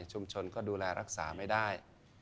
ชุมชนก็ดูแลรักษาไม่ได้